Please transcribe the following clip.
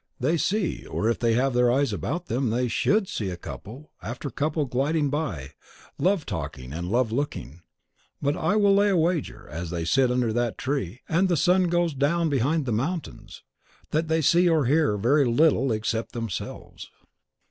They see or if they have their eyes about them, they SHOULD see couple after couple gliding by, love talking and love looking. But I will lay a wager, as they sit under that tree, and the round sun goes down behind the mountains, that they see or hear very little except themselves.